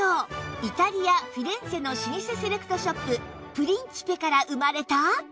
イタリアフィレンツェの老舗セレクトショッププリンチペから生まれた